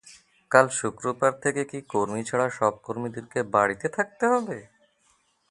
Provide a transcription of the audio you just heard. কাল শুক্রবার থেকে কি কর্মী ছাড়া সব কর্মীকে বাড়িতে থাকতে হবে?